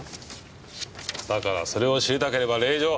だからそれを知りたければ令状。